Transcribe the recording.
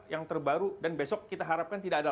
yang terbaru dan besok kita harapkan tidak ada